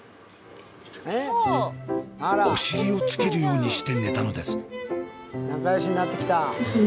お尻をつけるようにして寝たのです。